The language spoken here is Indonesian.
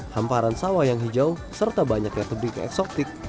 hamparan sawah yang hijau serta banyaknya tebing eksotik